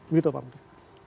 begitu pak menteri